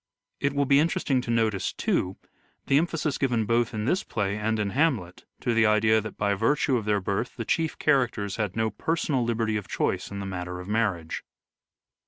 It will be interesting to notice, too, the em phasis given both in this play and in " Hamlet " to the idea that by virtue of their birth the chief characters had no personal liberty of choice in the matter of marriage.